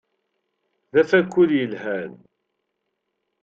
D afakul yelhan.